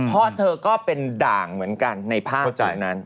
เพราะเธอก็เป็นด่างเหมือนกันในภาพจากนั้น